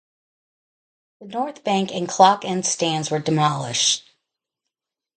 The North Bank and Clock End stands were demolished.